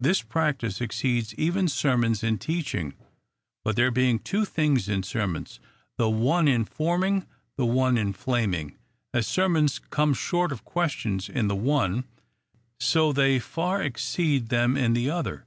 This practice exceeds even ser mons in teaching : but, there being two things in ser mons, the one informing, the other inflaming ; as sermons come short of questions in the one, so they far exceed them in the other.